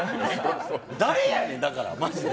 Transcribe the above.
誰やねん、だからマジで。